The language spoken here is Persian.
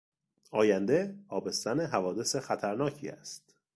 آینده آبستن حوادث خطرناکی است.